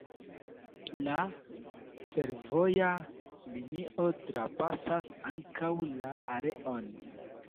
La fervoja linio trapasas ankaŭ la areon.